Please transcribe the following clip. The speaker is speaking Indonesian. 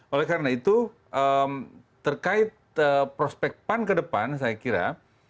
oleh karena itu terkait prospek pan ke depan saya kira